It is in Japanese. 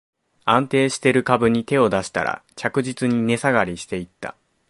安定してる株に手を出したら、着実に値下がりしていった